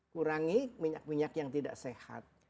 kurangi minyak minyak yang tidak sehat